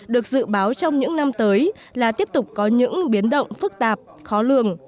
được dự báo trong những năm tới là tiếp tục có những biến động phức tạp khó lường